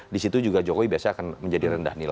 di situ juga jokowi biasanya akan menjadi rendah nilai